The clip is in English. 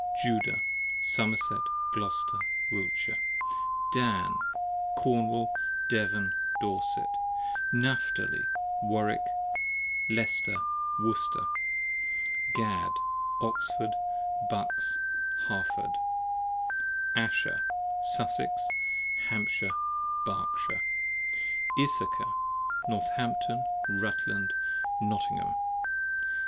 Judah, Somerset, Glouster, Wiltshire. Dan, Cornwall, Devon, Dorset. Napthali, Warwick, Leicester, Worcester. Gad, Oxford, Bucks, Harford. Asher, Sussex, Hampshire, Berkshire. Issachar, Northampton, Rutland, Nottgham.